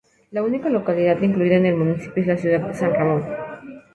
La única localidad incluida en el municipio es la ciudad de San Ramón.